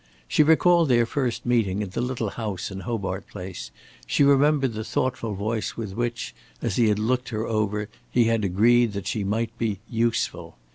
She recalled their first meeting in the little house in Hobart Place, she remembered the thoughtful voice with which, as he had looked her over, he had agreed that she might be "useful."